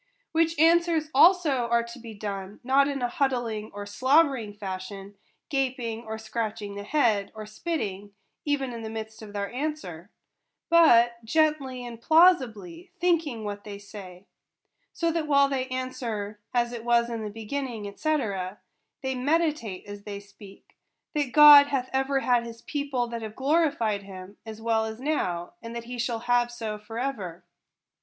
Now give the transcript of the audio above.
Which answers also are to be done, not in a huddling or slubbering fashion — gaping or scratching the head, or spitting, even in the midst of their answer — but gently and plausibly, thinking what they say ; so that while they answer " As it was in the beginning," &c. they meditate as they speak, that God hath ever had his people that have glorified him, as well as now, and that he shall have so for ever.